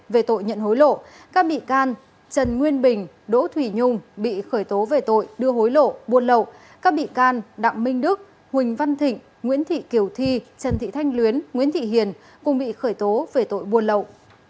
về tội nhận hối lộ các bị can trần nguyên bình đỗ thủy nhung bị khởi tố về tội đưa hối lộ buôn lậu các bị can đặng minh đức huỳnh văn thịnh nguyễn thị kiều thi trần thị thanh luyến nguyễn thị hiền cùng bị khởi tố về tội buôn lậu